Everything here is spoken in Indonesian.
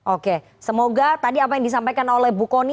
oke semoga tadi apa yang disampaikan oleh bu kony